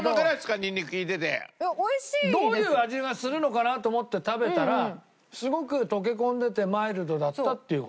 どういう味がするのかな？と思って食べたらすごく溶け込んでてマイルドだったっていう事。